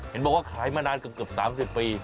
เห็นบอกว่าขายมานานเกือบ๓๐ปี